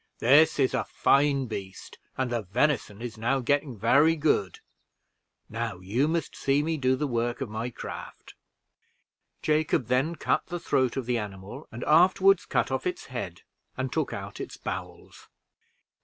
This is a fine beast, and the venison is now getting very good. Now you must see me do the work of my craft." Jacob then cut the throat of the animal, and afterward cut off its head and took out its bowels.